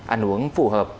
ăn uống phù hợp